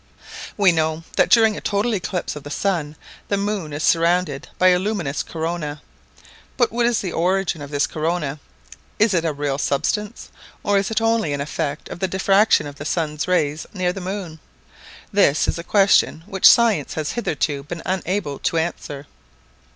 We know that during a total eclipse of the sun the moon is surrounded by a luminous corona. But what is the origin of this corona? Is it a real substance? or is it only an effect of the diffraction of the sun's rays near the moon? This is a question which science has hitherto been unable to answer.